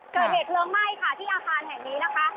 เกิดเหตุเพลิงไหม้ค่ะที่อาคารแห่งนี้นะคะ